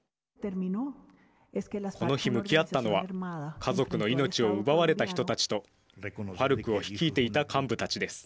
この日向き合ったのは家族の命を奪われた人たちとＦＡＲＣを率いていた幹部たちです。